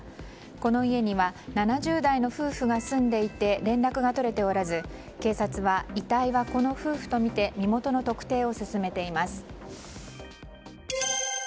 この家には７０代の夫婦が住んでいて連絡が取れておらず警察は、遺体はこの夫婦とみて身元の特定を進めています。